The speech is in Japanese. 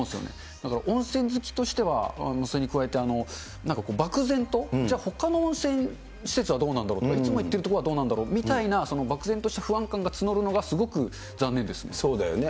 だから温泉好きとしてはそれに加えて、なんか漠然と、じゃあ、ほかの温泉施設はどうなんだろう、いつも行ってるところはどうなんだろうみたいな、漠然とした不安そうだよね。